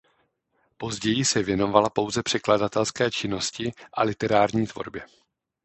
Později se věnovala pouze překladatelské činnosti a literární tvorbě.